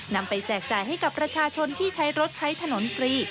นำไปแจกจ่ายให้กับประชาชนที่ใช้รถใช้ถนนฟรี